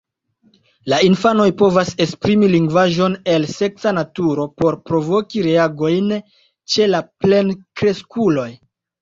La infanoj povas esprimi lingvaĵon el seksa naturo por provoki reagojn ĉe la plenkreskuloj.